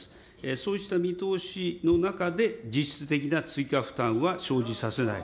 そうした見通しの中で、実質的な追加負担は生じさせない。